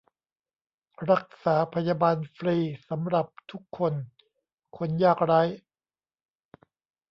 รักษาพยาบาลฟรีสำหรับ : ทุกคน คนยากไร้